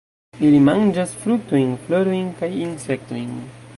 Ili manĝas fruktojn, florojn kaj insektojn.